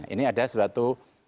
ini ada suatu